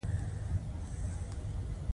ښځي د کار کولو حق لري.